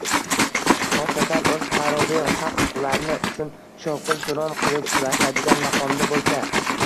xossatan o‘z fuqaroviy haq-huquqlari uchun shovqin-suron qilib kurashadigan maqomda bo‘lsa?!